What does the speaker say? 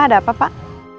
ada apa pak